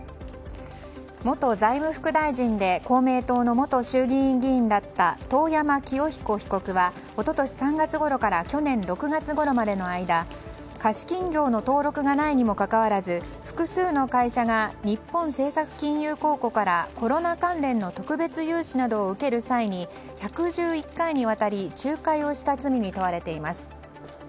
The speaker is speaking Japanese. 元財務副大臣で公明党の元衆議院議員だった遠山清彦被告は一昨年３月ごろから去年６月ごろまでの間、貸金業の登録がないにもかかわらず複数の会社が日本政策金融公庫からコロナ関連の特別融資などを受ける際に１１１回にわたり仲介をした罪に問われています。